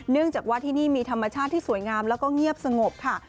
เนื่องจากว่าที่นี่มีธรรมชาติที่สวยงามแล้วก็เงียบสงบค่ะ